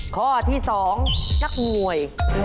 ข้อที่๒นักมวย